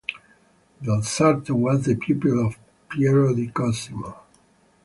Del Sarto was the pupil of Piero di Cosimo.